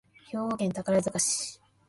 兵庫県宝塚市